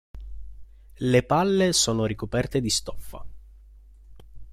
Le palle sono ricoperte di stoffa.